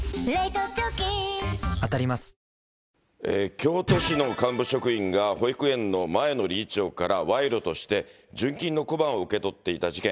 京都市の幹部職員が、保育園の前の理事長から賄賂として純金の小判を受け取っていた事件。